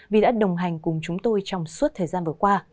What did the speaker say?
vì đã đồng hành cùng chúng tôi trong suốt thời gian vừa qua